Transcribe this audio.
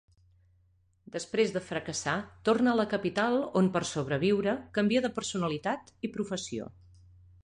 Després de fracassar torna a la capital on per sobreviure, canvia de personalitat i professió.